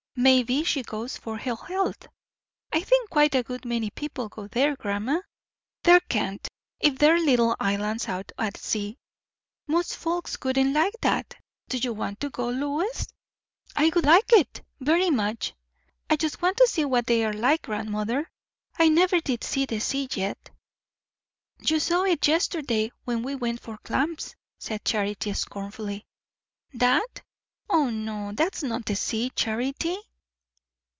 May be she goes for her health." "I think quite a good many people go there, grandma." "There can't, if they're little islands out at sea. Most folks wouldn't like that. Do you want to go, Lois?" "I would like it, very much. I just want to see what they are like, grandmother. I never did see the sea yet." "You saw it yesterday, when we went for clams," said Charity scornfully. "That? O no. That's not the sea, Charity."